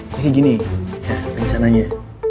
kayak gini ya rencananya